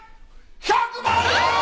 １００万円！